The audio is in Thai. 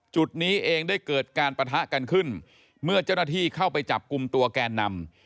จุดนี้เองได้เกิดการปะทะกันขึ้นเมื่อเจ้าหน้าที่เข้าไปจับกลุ่มตัวแกนนำ